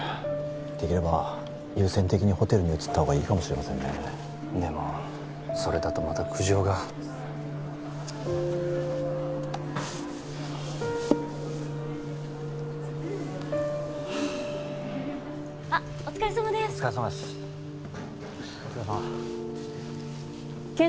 できれば優先的にホテルに移ったほうがいいかもしれませんねでもそれだとまた苦情があっお疲れさまでーすお疲れさまですお疲れさん